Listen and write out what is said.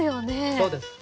そうです。